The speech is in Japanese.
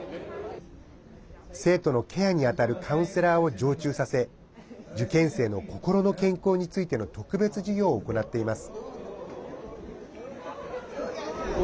生徒のケアにあたるカウンセラーを常駐させ受験生の心の健康についての特別授業を行っています。